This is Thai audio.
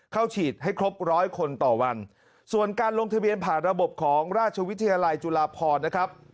ฉีดให้ครบร้อยคนต่อวันส่วนการลงทะเบียนผ่านระบบของราชวิทยาลัยจุฬาพรนะครับ